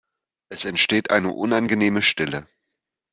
Es entsteht eine unangenehme Stille.